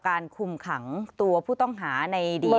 การกำกลรคันตัวผู้ต้องหาในดีไอ